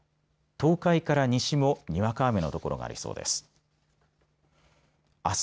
東海から西も、にわか雨の所がありそうです。